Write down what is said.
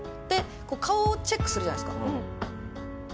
顔をチェックするじゃないですか。